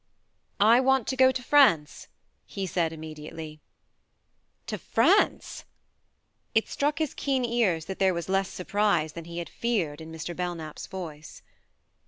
"I want to go to France," he said immediately. " To France ?" It struck his keen ears that there was less surprise than he had feared in Mr. Belknap 's voice.